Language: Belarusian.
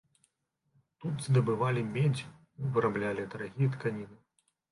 Тут здабывалі медзь, выраблялі дарагія тканіны.